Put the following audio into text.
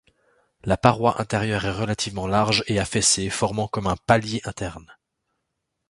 La paroi intérieure est relativement large et affaissée formant comme un palier interne.